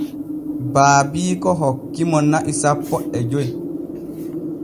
Baabiiko hoki mo na'i sanpo e joy.